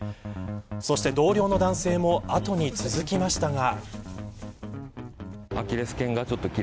そして同僚の男性も後に続きましたが。